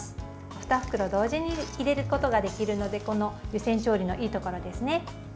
２袋同時に入れることができるのでこの湯煎調理のいいところですね。